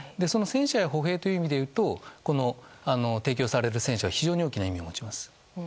その戦車や歩兵という意味だと提供される戦車は非常に大きな意味を持ちます。